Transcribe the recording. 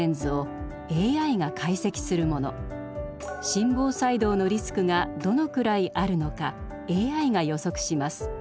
心房細動のリスクがどのくらいあるのかＡＩが予測します。